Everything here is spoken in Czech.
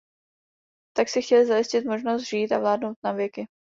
Tak si chtěli zajistit možnost žít a vládnout navěky.